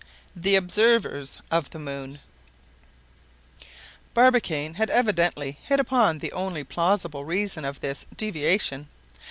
THE OBSERVERS OF THE MOON Barbicane had evidently hit upon the only plausible reason of this deviation.